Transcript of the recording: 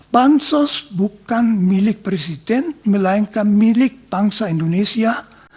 bansos bukan milik presiden melainkan milik bangsa indonesia